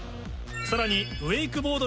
さらに。